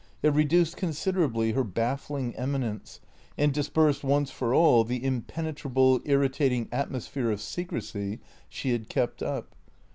It reduced considerably her baffling eminence, and dispersed once for all the impenetrable, irritating atmosphere of secrecy she had kept up.